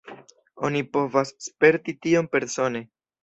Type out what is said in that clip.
Oni povas sperti tion persone.